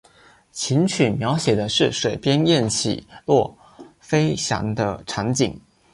琴曲描写的是水边雁起落飞翔的场景。